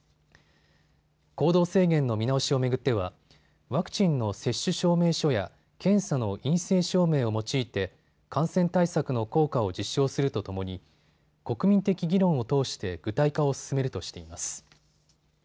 行動制限の見直しを巡ってはワクチンの接種証明書や検査の陰性証明を用いて感染対策の効果を実証するとともに国民的議論を通して具体化を進めるとしています。